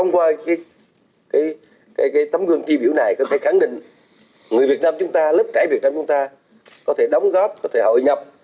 qua cái tấm gương tiêu biểu này có thể khẳng định người việt nam chúng ta lớp cải việt nam chúng ta có thể đóng góp có thể hội nhập